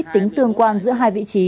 tính tương quan giữa hai vị trí